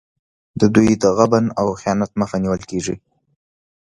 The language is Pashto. د دوی د غبن او خیانت مخه نیول کېږي.